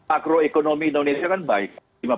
akroekonomi indonesia kan baik